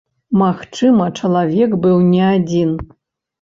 Магчыма, чалавек быў не адзін.